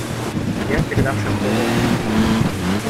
Я передам шеф-повару.